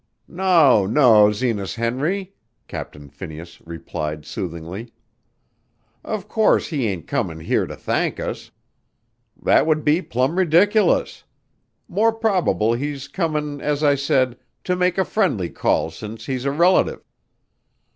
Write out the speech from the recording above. "No, no, Zenas Henry," Captain Phineas replied soothingly. "Of course he ain't comin' here to thank us. That would be plumb ridiculous. More probable he's comin' as I said, to make a friendly call since he's a relative."